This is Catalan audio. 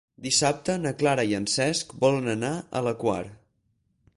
Dissabte na Clara i en Cesc volen anar a la Quar.